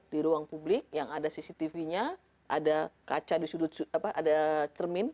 di ruang publik yang ada cctv nya ada kaca di sudut ada cermin